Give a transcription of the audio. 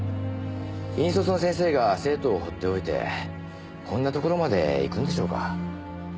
引率の先生が生徒を放っておいてこんなところまで行くんでしょうか？